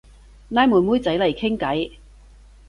拉妹妹仔嚟傾偈